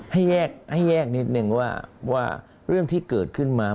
ให้แยกนิดนึงว่าเรื่องที่เกิดขึ้นมา